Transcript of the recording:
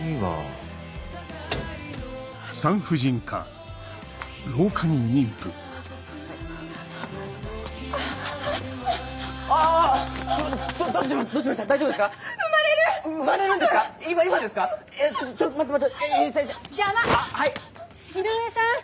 はい！